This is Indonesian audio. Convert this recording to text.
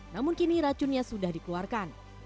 namun kini racunnya sudah dikeluarkan